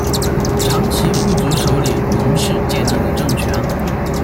长其部族首领侬氏建立的政权。